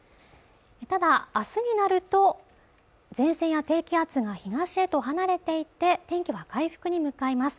ただ明日になると前線や低気圧が東へと離れていって天気は回復に向かいます